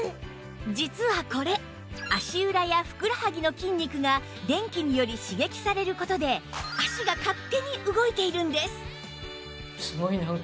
実はこれ足裏やふくらはぎの筋肉が電気により刺激される事で脚が勝手に動いているんです